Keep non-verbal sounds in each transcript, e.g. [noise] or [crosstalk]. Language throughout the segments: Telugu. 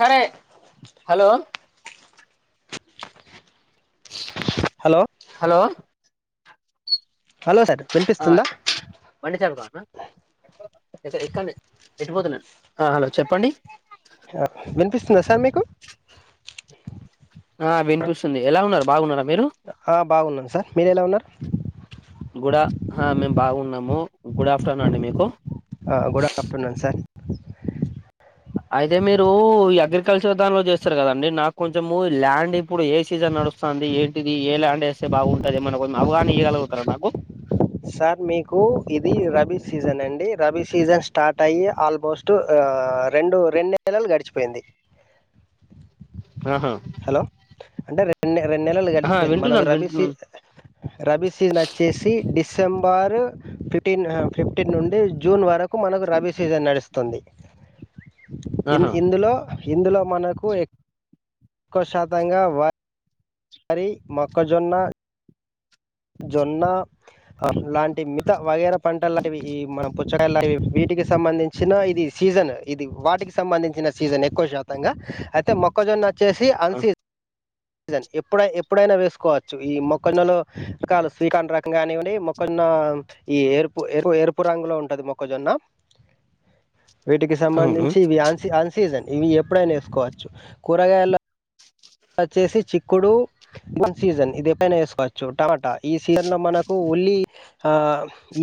సరే hello [inaudible] hello hello hello sir ఆ వినిపిస్తుందా బండి డి పెట్టిపోతున్నాను హలో చెప్పండి హా వినిపిస్తుందా సార్ మీకు ఆ వినిపిస్తుంది ఎలా ఉన్నారు బాగున్నారా మీరు ఆ బాగున్నాను సార్ మీరు ఎలా ఉన్నారు గుడ మేము బాగున్నాము గుడ్ ఆఫ్టర్నూన్ అండి మీకు గుడ్ ఆఫ్టర్నూన్ సార్ అయితే మీరు అగ్రికల్చర్ దానిలో చేస్తారు కదండి నాకు కొంచెము ల్యాండ్ ఇప్పుడు ఏ సీజన్ నడుస్తుంది ఏంటిది ఏ ల్యాండ్ వేస్తే బాగుంటది మనకు కొంచెం అవగానియలి కరోనాకు సార్ మీకు ఇది రబీ సీజన్ అండి రబీ సీజన్ స్టార్ట్ అయ్యి ఆల్మోస్ట్ రెండు రెండు నెలలు గడిచిపోయింది ఆహా హలో అంటే రెండే రెండు నెలలు ఆహా గడిచిపోయింది మనకు వింటున్నాను రబీ సి వింటున్నాను రబీ సీజన్ వచ్చేసి డిసెంబరు ఫిఫ్టీన్ ఫిఫ్టీన్ నుండి జూన్ వరకు మనకు రబీ సీజన్ నడుస్తుంది తుంది ఇన్ ఆహా ఇందులో ఇందులో మనకు ఎ ఎక్కువ శాతంగా వ వరి, మొక్కజొన్న జొన్న లాంటి మిత వగేర పంటలు లాంటివి ఈ మనం పుచ్చకాయ లావి వీటికి సంబంధించి చిన్న ఇది సీజన్ ఇది వాటికి సంబంధించిన సీజన్ ఎక్కువ శాతంగా అయితే మొక్ మొక్కజొన్నచ్చసి అన్సీ జన్ ఎప్పుడ ఎప్పుడైనా వేసుకోవచ్చు ఈ మొక్కజొన్న కాల్ స్వీకార్న్ రకం కానివ్వండి మొక్కజొన్న ఈ ఎరుపు ఎరుపు ఎరుపు రంగు లో ఉంటది మొక్కజొన్న వీటికి అవును సంబంధించి వీయ్యాన్సీ అన్సీ సీజన్ ఇవి ఎప్పుడైనా వేసుకోవచ్చు కూరగాయల్లో వచ్చేసి చిక్కుడు వన్ సీజన్ ఇది ఎప్పుడైనా వేసుకోవచ్చు టమాటా ఈ సీజన్ లో మనకు ఉల్లి ఆ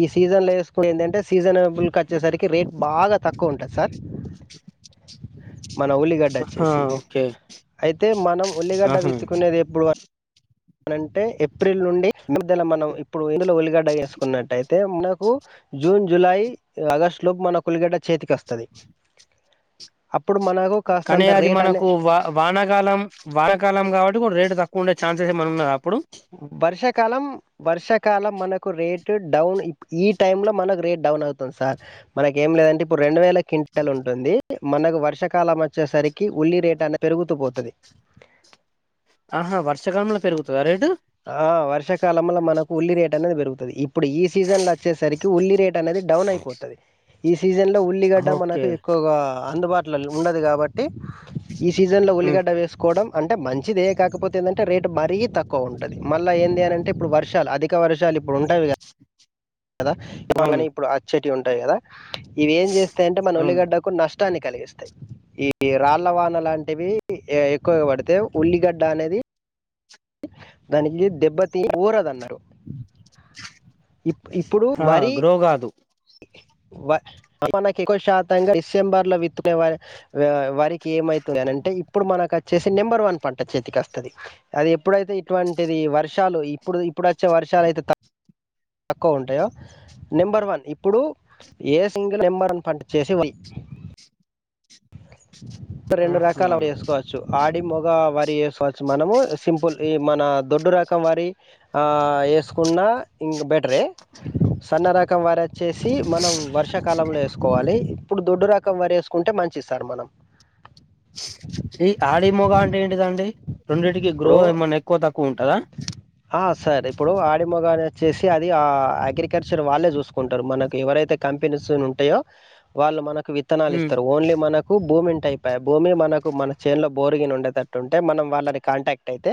ఈ సీజన్ లో వేసుకుని ఏందంటే సీజనబుల్కి వచ్చేసరికి రేట్ బాగా తక్కువ ఉంటది సార్ మన ఉల్లిగడ్డ ఆహా వచ్చేసి ఓకే అయితే అయితే మనం ఉల్లిగడ్డ ఆహా పెత్తుకునేది ఎప్పుడు అ అనంటే ఏప్రిల్ నుండి మద్దల మనం ఇప్పుడు ఎండలో ఉల్లి గడ్డ వేసుకున్నట్టయితే అయితే మనకు జూన్ జూలై ఆగస్టు లోపు మనకు ఉల్లిగడ్డ చేతికి వస్తది అప్పుడు మనకు కానీ కాస్తంత అది రేట్ అనే మనకు వా వానకాలం వానకాలం కాబట్టి కూడా రేటు తక్కువ ఉండే ఛాన్స్ మనన్న వర్షాకాలం వర్షాకాలం మనకు రేటు డౌన్ ఈ టై లో మనకు రేట్ డౌన్ అవుతుంది సార్ మనకు ఏం లేదంటే ఇప్పుడు రెండు వేల క్వింటల్ ఉంటుంది మనకు వర్షాకాలం వచ్చేసరికి ఉల్లి రేటు అనేది పెరుగుతూ పోతది ఆహా వర్షాకాలంలో పెరుగుతదా రేటు ఆ వర్షాకాలంలో మనకు ఉల్లి రేటు అనేది పెరుగుతది ఇప్పుడు ఈ సీజన్ లో వచ్చేసరికి ఉల్లి రేట్ అనేది డౌన్ అయిపోతది ఈ సీజన్లో ఉల్లిగడ్డ ఓకే మనకు ఎక్కువగా అందుబాట్లాల్లా ఉండదు కాబట్టి ట్టి ఈ సీజన్ లో ఉమ్ ఉల్లిగడ్డ వేసుకోవడం అంటే మంచిదే కాకపోతే ఏందంటే రేట్ మరీ తక్కువ. తక్కువ ఉంటుది మళ్ళ ఏంది అని అంటే ఇప్పుడు వర్షాలు అధిక వర్షాలు ఇప్పుడు ఉంటావి కదా. కదా అవును ఇవాళ్లని ఇప్పుడు ఆ చె ఉంటాయి కదా ఇది ఏం చేస్తాయంటే మన అవును ఉల్లిగడ్డకు నష్ నష్టాన్ని కలిగిస్తాయి ఈ రాళ్ల వాన లాంటివి ఎక్కువగా పడితే ఉల్లిగడ్డ అనేది దానికి దెబ్బతి ఊరదన్న ఇప్పుడు ఆ వరి గ్రో కాదు మనకి ఎక్కువ శాతంగా డిసెంబర్ లో వితుకు వ వరికి. కేమైతది అంటే ఇప్పుడు మనకు అ చేసి నెంబర్ వన్ పంట చేతికి వస్తుది అది ఎప్పుడైతే ఇటువంటిది వర్షాలు ఇప్పుడు ఇప్పుడు వచ్చే వర్షాలు అయితే తక్ తక్కువ ఉంటాయ నెంబర్ వన్ ఇప్పుడు ఏ సింగిల్ నెంబర్ అన్ పంట చేసి వల్ ఇడు రెండు రకాలు ఆహా వరి చేసుకోవచ్చు ఆ మొగ వరి చేసుకోవచ్చు మనము సింపుల్ ఈ మన దొడ్డు రాక్ మొత్తం వరి ఆ వేసుకున్న ఇం బెటరే సన్న రకం వారు వచ్చేసి మనం వర్షాకాలంలో వేసుకోవాలి ఇప్పుడు దొడ్డు రకం వర్ వేసుకుంటే మంచి మంచిది సార్ మనంమ్ ఈ ఆడి మోగ అంటే ఏంటిదండి రెండింటికి గ్రో ఇప్పుడు ఏమన్నా ఎక్కువ తక్కువ ఉంటదా ఆ సార్ ఇప్పుడు ఆడి మగని వచ్చేసి అది ఆ అగ్రికల్చర్ వాళ్ళే చూస్త చూసుకుంటారు మనకు ఎవరైతే కంపెనీస్ ఉంటాయో వాళ్ళు మనకు విత్తనాలు ఉమ్ ఇస్తారు ఓన్లీ మనకు భూమి అయి భూమి మనకు మన చేైన్ లో బోరిగిన్ ఉండేటట్టు ఉంటే మనం వాళ్ళని కాంటాక్ట్ అయితే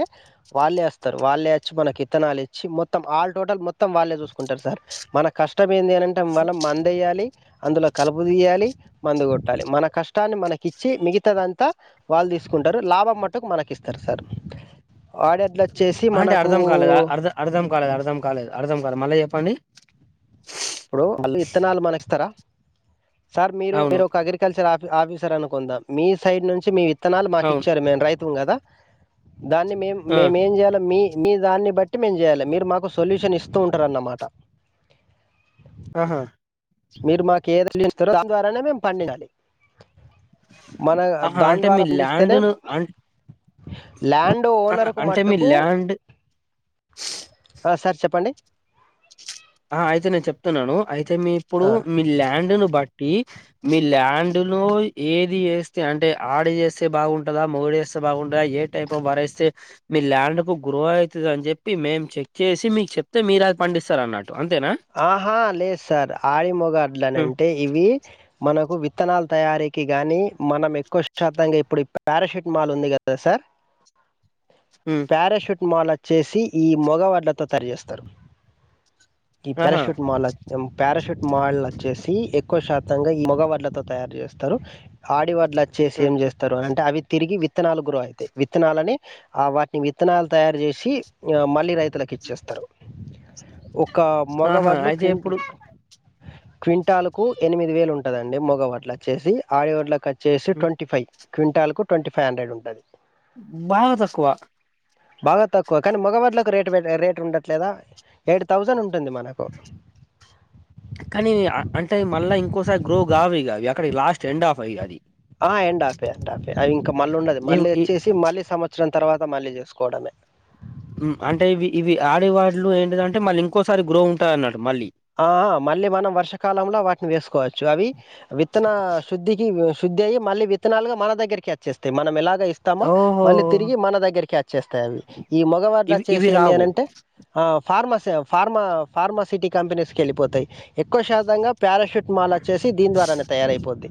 వాళ్ళు వేస్త. వాళ్ళేచ్చి మనకి ఇత్తనాలు ఇచ్చి మొత్తం ఆల్ టోటల్ మొత్తం. మొత్తం వాళ్ళే చూసుకుంటారు సార్ మన కష్టం ఏ అంటే వల్ల మనం మం ద్ ఎయ్యాలి అందులో కలుపు తీయాలి మందు కొట్టాలి మన కష్టాన్ని మనకి ఇచ్చి మిగతదంతా వాళ్ళు తీసుకుంటారు లాభం మట్టుకు మనకి ఇస్తారు సార్ ఆడి అంటే అర్ధం కాలేదు అర్ధం అర్ధం. కాలేదు అర్ధం కాలేదు అర్ధం కాలేదు మళ్ళీ చెప్పండి ఇప్పుడు అళ్ళ ఇత్తనాలు మనస్తారా. సార్ మీరు అవును మీరు ఒక అగ్రికల్చర్ ఆఫ ఆఫీసర్ అనుకుందాం మీ సైడ్ నుంచి మీ ఇత్తనాలు మాకు అవును ఇచ్చారు మేము రైతుం కదా దాన్ని మేం ఆ మేముేం చేయాల మీ మీ దాన్ని బట్టి మేము చేయాలి మీరు మాకు సొల్యూషన్ ఇస్తూ ఉంటారన్నమాట ఆహా మీరు మాకు ఏ సొల్యూషన్ ఇస్తారో దాని ద్వారానే మేము పండించాలి మన ఆహా దాని అంటే మీ ద్వారా పండిస్తేనే ల్యాండ్ను అం ల్యాండ్ ఆహా! ఓనర్ కు అంటే మీ మట్టుకు ల్యాండ్ ఆ సార్ చెప్ప పండి ఆ అయితే నేను చెప్తున్నాను అయితే మీ ఇప్పుడు ఆ మీ ల్యాండ్ను బట్టి మీ ల్యాండ్ ను ఏది చేస్తే అంటే ఆడ చేస్తే బాగుంటదా మొగడుేస్తే బాగుంటదా ఏ టైప్ఫ్ వరేస్తే మీ ల్యాండ్ కు గ్రో అవుతుంది అని చెప్పి మేము చెక్ చేసి మీకు చెప్తే మీరు అది పండిస్తారు అన్నట్ ఆహా లేదు సార్ ఆడి హ్మ్ మొగడ్లనంటే ఇవి మనకు వి విత్తనాల తయారీకి గాని మనం కోస్తతంగా ఇప్పుడి పారాషెట్మాల్ ఉంది కదా సార్ హ్మ్ ప్యారాషూట్ మాల చేసి ఈ మొగ వడ్లతో తరిచేస్తారు ఈ ఆహా పారాట్ మాల్ పారాషూట్ మాల్ వచ్చేసి ఎక్కువ శాత గా ఈ మగవడ్లతో తయారు చేస్తారు ఆడివడ్ల చేసి హ్మ్ ఏం చేస్తారు అ అంటే అవి తిరిగి విత్తనాలు గు్రో అవుతాయి విత్తనాలు అని ఆ వాటిని విత్తనాలు తయారు చేసి మళ్ళీ రై లకు ఇచ్చేస్తారు ఆహా మగవాడ్లు అయితే కింటి ఇప్పుడు క్వింటాల కు ఎనిమిది వేలు ఉంటదండి మగ వడ్ల వచ్చేసి ఆడి వడ్ల చేసి హ్మ్. ట్వంటీ ఫైవ్ క్ంటల్కు ట్ంటీ ఫైవ్ హండ్రెడ్ ఉంటది బాగా తక్కువ బాగా తక్కువ కానీ మగ వడ్లు రేటు రేట్ ఉండట్లేదా ఏడు తసన్ కానీ అంటే మళ్ళా ఇం క్కసారి గోగావిగా అక్కకి లాస్ట్ ఎండ్ ఆఫ్ ఏ అది ఆ end of a end of a అవి ఇక మళ్ళీ ఉండదు ఇవ్ మళ్లీ ఇ మవచ్చేసి మళ్లీ సంవత్రం తర్వాత మళ్లీ చేసుకోవడమే అంటే ఇవి ఇవి ఆడేవాళ్లు ఏంటిదంటే మళ్లీ ఇంకోసారి గ్రో ఉంటయి అన్నట్టు మళ్ళీ ఆ ఆ మళ్లీ మనం వర్షకాలంలో వేసుకోవచ్చు అవి విత్తన శుద్ధికి వేసు శ్రుద్దై మళ్లీ విత్తనాలుగా మన దగ్గకిచ్చేస్తాయి మనం ఎలా ఇస్తామో ఓహో మళ్ళీ తిరిగి మన దగ్గరికి వచ్చేస్తాయి అవి ఈ మగవాడ్లు ఇవి ఇవి వచ్చేసింది రావు. ఏంటంటే ఫార్మసి ఫార్మా ఫార్మాసిటీ కంపెనీస్ కి వెళ్ళిపోతాయి ఎక్కువ శాతంగా పారాసెట్మాల వచ్చేసి దీని ద్వారా తయారైపోద్ది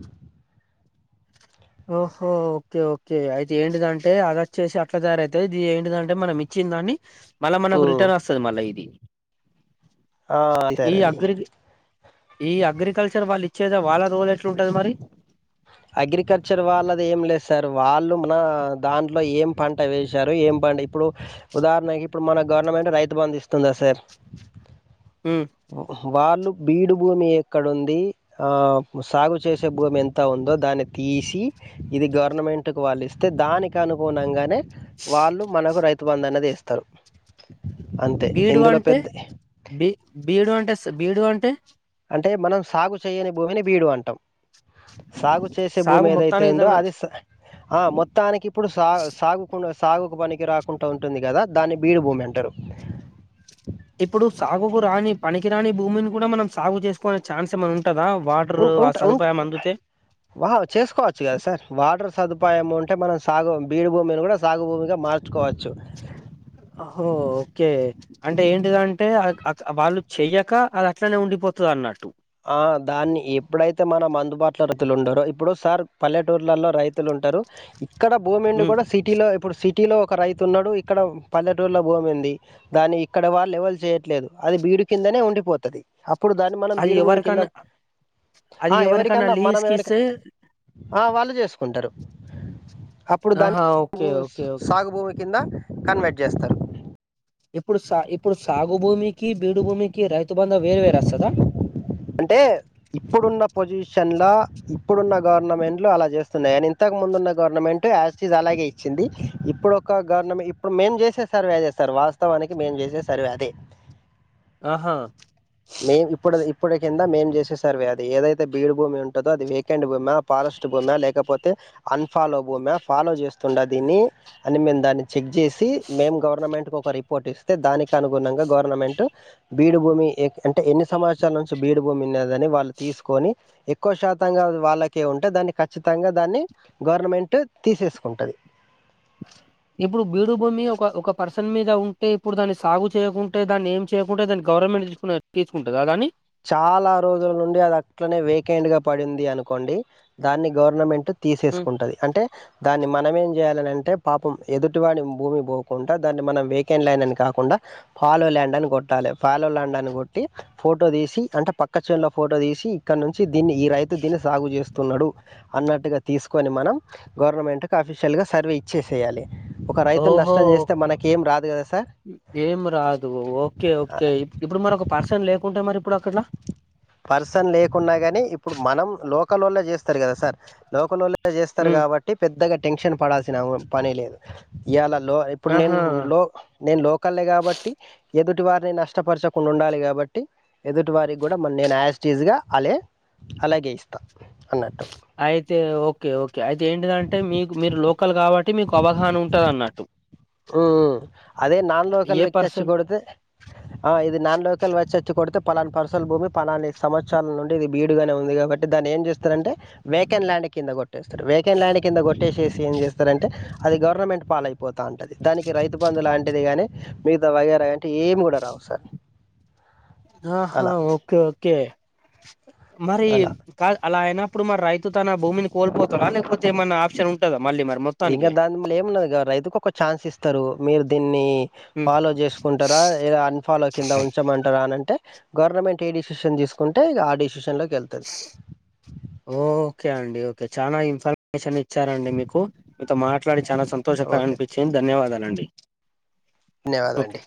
ఓహో ఓకే ఓకే అయితే ఏంటిదంటే అది వచ్చేసి అట్లా తయారవుతుంది ఇది ఏంటిదంటే మనం ఇ దాన్ని మల్ల మనకు హ్మ్. రిటర్న్ వస్తుది మల్ల ఇది ఆ సరే ఈ అది అగ్రి ఈ అగ్రికల్చర్ వాళ్ళు ఇచ్చేద వాళ్ళ రోల్ ఎట్లాంటది మరి అగ్రికల్చర్ వాళ్ళది ఏం లేదు సార్ వాళ్ళు మన దాంట్లో ఏం పంట వేశారు ఏం పంట ఇప్పుడు ఉదాహరణకి ఇప్పుడు మన గవర్నమెంట్ రైతు బంధ్ ఇస్తుందా సార్ ఉమ్. వాళ్ళు బీడు భూమి ఎక్కడ ఉంది ఆ సాగు చేసే భూమి ఎంత ఉందో దాన్ని తీసి ఇది గవర్నమెంట్కి వాళ్ళు ఇస్తే దానికి అనుగుణంగానే వాళ్ళు మనకు రైతు బందునేది ఇస్తారు అంతే బీడు ఇందులో అంటే పెద్ద బీ బీడు అంటే సార్ బీడు అంటే అంటే మనం సాగు చేయని భూమిని బీడు అంటాం సాగు చేసే భూమి సాగు ఏది అయితే మొత్తానికి ఉందొ తన అది ఆ మొత్తానికి ఇప్పుడు సాగు సాగుకు సాగుకు పనికి రాకుండా ఉంటుంది కదా దాన్ని బీడు భూమి అంటారు ఇప్పుడు సాగుకు రాని పనికి రాని భూమిని కూడా మనం సాగు చేసుకునే ఛాన్స్ ఏమైనా ఉందా ఉ ఉంటా ఉంట వా చేసుకోవచ్చు కదా సార్ వాటర్ సదుపాయం ఉంటే మనం సాగు బీడి భూమిని కూడా సాగు భూమిగా మార్చకో ఓహో ఓకే అంటే ఏంటిదంటే వాళ్ళు చెయ్యక అది అట్లనే ఉండిపోతుంది అన్నట్టు ఆ దాన్ని ఎప్పుడైతే మనం అందుబాటులో రైతులు ఉండారో ఇప్పుడు సార్ పల్లెటూర్లలో రైతులు ఉంటారు ఇక్కడ భూముండి హ్మ్ కూడా సిటీలో ఇప్పుడు సి సిటీలో ఒక రైతు ఉన్నాడు ఇక్కడ పల్లెటూరులో భూమి ఉంది దాని ఇక్కడ వాళ్ళ ఎవరు చేయట్లేదు అది బీడు కిందనే ఉండిపోద్ది ఇప్పుడు దాన్ని మనం అది బీడు భూమి కింద ఎవరికన్నా అది ఆ ఎవరికన్నా లీస్ మనం కీ ఎవరికి ఆ వాళ్ళు చేసుకుంటారు ఆహా ఓ సాగుభూమి కింద కన్వేట్ చేస్తారు ఇప్పుడు సా ఇప్పుడు సాగు భూమికి బీడు భూమికి రైతు బంధం వేరు వేరే వస్తాదా షన్ లో ఇప్పుడున్న గవర్నమెంట్లు అలా చేస్తున్నాయి అని ఇంతకు ముందున్న గవర్నమెంట్ యాజిటిజ్ అలాగే ఇచ్చింది ఇప్పుడు ఒక గవర్నమెంట్ ఇప్పుడు మేము చేసినా సర్వే చేస్తారు వాస్తవానికి మేము చేసే సర్వే అదే ఆహా మేమ్ ఇప్పుడు ఇప్పుడుక మేము చేసే సర్వే అది ఏదైతే బీడ్ భూమి ఉంటదో అది వీకెండ్ భూమా ఫారెస్ట్ భూమి లేకపోతే అన్ ఫాలో భూమా ఫాలో చేస్తున్నా దీన్ని అని మేము చెక్ చేసి మేము గవర్నమెంటికి ఒక రి రీపొర్ట్ స్తే దానికి అనుగుణంగా గవర్నమెంట్ బీడు భూమి అంటే ఎన్ని సంవత్సరాల నుంచి బీడు భూమి ఉందని వాళ్ళు తీసుకొని ఎక్కువ శాతంగా వాళ్ళకే ఉంటే దాన్ని ఖచ్చితంగా దాన్ని గవర్నమెంట్ తీసేసుకుంటుంది ఇప్పుడు బీడు భూమి ఒక ఒక పర్సన్ మీద ఉంటే ఇప్పుడు దాన్ని సాగు చేయకుంటే దాన్ని ఏం చేయకుంటే దాన్ని గవర్నమెంట్ తీసుకు తీసుకుంటదా దాన్ని చాలా రోజుల నుండి అది అట్లనే వేకెండ్ గా పడింది అనుకోండి దాన్ని గవర్నమెంట్ హ్మ్. తీసేసుకుంటది అంటే దాన్ని మానేమీ చేయాలనేది అంటే పాపం ఎదుటి వాడి భూమి పోకుండా దా మనం వేకెండ్ ల్యాండ్ అని కాకుండా ఫలో ల్యాండ్ అని కొట్టాలి ఫలో లండ్ అని కొట్టి ఫోటో తీసి అంటే పక్క చేనులో ఫోటో తీసి ఇక్కడ నుంచి దీన్ని ఈ రైతు దీన్ని సాగు చేస్తున్నాడు అన్నట్టుగా తీసుకొని మనం గవర్నమెంట్కి అఫీషియల్గా సర్వే ఇచ్చేసేయాలి ఒక రైతుని ఓహో నష్టం చేస్తే మనకేం రాదు కదా సార్ ఏం రాదు ఓకే ఓకే ఇప్పుడు మరి ఒక పర్సన్ లేకుంటే మరి ఇప్పుడు ఎలా పర్సన్ లేకున్నా గని ఇప్పుడు మనం లోకలొల్లె చేస్తారు కదా సార్ లోకలొల్లె చేస్తారు హ్మ్ కాబట్టి పెద్దగా టెన్షన్ పడాల్సిన పని లేదు ఇయాల లో ఇప్పుడు నేను ఆహా లో నేను లోకలే కాబట్టి ఎదుటి వారిని నష్టపరచకుండా ఉండాలి కాబట్టి ఎదుటి వారికి కూడా మన్ నేను ఆయాస్టీజ్గా అలె అలాగే ఇస్తాను అన్నట్టు అయితే ఓకే ఓకే అయితే ఏంటి ఇదంటే మీకు మీరు లోకల్ కాబట్టి మీకు అవగాహన ఉంటది అన్నట్టు అదే నాన్ లోకల్ ఏ వ్యక్తి పర్సన్ వచ్చికడుతే ఆ ఇది నాన్ లోకల్ వచ్చచ్చిడుతే పలానా పర్ అసలు భూమి పలాని సంవత్సరాల నుండి ఇది బీడుగానే ఉంది కాబట్టి దాన్ని ఏం చేస్తారంటే వేకెన్ ల్యాండ్ కింద కొట్టేస్తారు వేకెన్ ల్యాండ్ కింద కొట్టేసేస్ ఏం చేస్తారంటే అది గవర్నమెంట్ పాలయిపోతుంది ఉంటది దానికి రైతు బంధు లాంటిది గానీ మీగత వాగేరా గాని అంటే ఏమి కూడా రావు సార్. ఆహా అలా ఓకే ఓకే మరి అలా. కాదు అలా అయినా ఇప్పుడు మరి రైతు తన భూమిని కోల్పోతాడ లేకపోతే ఏమైన ఆప్షన్ ఉంటద ఇంకా దాని మల్ల ఏము ఉన్నది గ రైతుకి ఒక ఛాన్స్ ఇస్తారు మీరు దీన్ని ఉమ్, ఫాలో చేసుకుంటారా లేదా అన్ఫాలో కింద ఉంచమంటారా అని అంటే గవర్నమెంట్ ఏ డిసిషన్ తీసుకుంటే ఆ డిసిషన్ లో ఓకే అండి చాలా ఇన్ఫర్మేషన్ ఇచ్చారండి మీకు మీతో మాట్లాడి చాలా సంతోషకరంగ ఓకే. అనిపించింది ధన్యవాదాలండి అండి ధన్యవాదాలండి. ఓకే